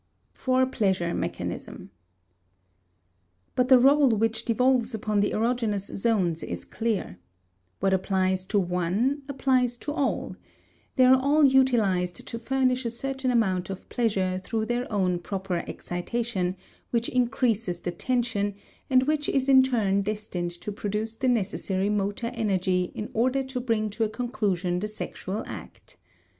*Fore pleasure Mechanism.* But the rôle which devolves upon the erogenous zones is clear. What applies to one applies to all. They are all utilized to furnish a certain amount of pleasure through their own proper excitation, which increases the tension, and which is in turn destined to produce the necessary motor energy in order to bring to a conclusion the sexual act.